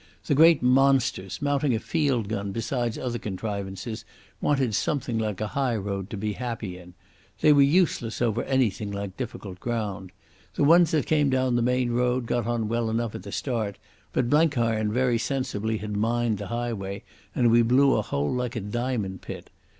The great monsters, mounting a field gun besides other contrivances, wanted something like a highroad to be happy in. They were useless over anything like difficult ground. The ones that came down the main road got on well enough at the start, but Blenkiron very sensibly had mined the highway, and we blew a hole like a diamond pit.